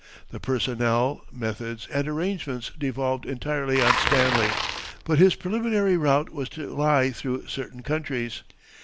The personnel, methods, and arrangements devolved entirely on Stanley, but his preliminary route was to lie through certain countries.